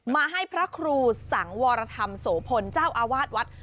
มาให้พระครูสังวรธรรมโสพลเจ้าอาวาสวัด